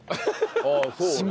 ああそうだね。